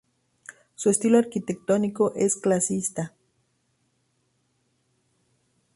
Su estilo arquitectónico es clasicista.